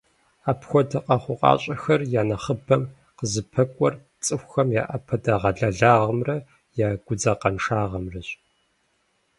Апхуэдэ къэхъукъащӀэхэр и нэхъыбэм «къызыпэкӀуэр» цӀыхухэм я Ӏэпэдэгъэлэлагъымрэ я гудзакъэншагъэмрэщ.